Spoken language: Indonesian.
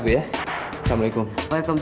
sudah dapat kerjaan nak